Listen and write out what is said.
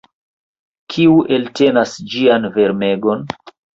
Kiu eltenas ĝian varmegon?